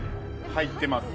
入ってます。